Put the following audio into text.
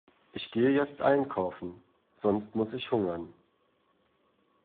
Ich gehe jetzt einkaufen, sonst muss ich hungern.